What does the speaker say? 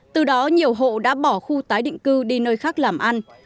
từ đó nhiều hộ đã bỏ khu tái định cư đi nơi khác làm ăn